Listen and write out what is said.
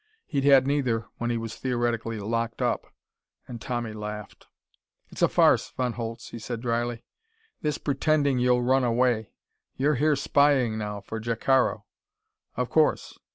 He'd had neither when he was theoretically locked up, and Tommy laughed. "It's a farce, Von Holtz," he said dryly, "this pretending you'll run away. You're here spying now, for Jacaro. Of course.